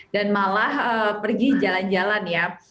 dan malah pergi jalan jalan